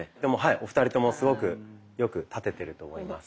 お二人ともすごくよく立ててると思います。